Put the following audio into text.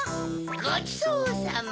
ごちそうさま。